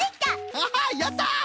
ハハッやった！